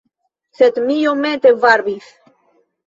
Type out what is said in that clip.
Sed mi iomete varbis.